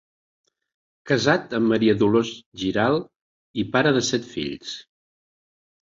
Casat amb Maria Dolors Giral i pare de set fills.